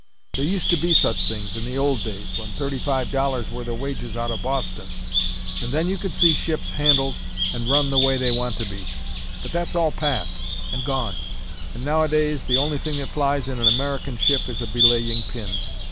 There used to be such things in the old days, when thirty five dollars were the wages out of Boston; and then you could see ships handled and run the way they want to be. But that's all past and gone; and nowadays the only thing that flies in an American ship is a belaying pin.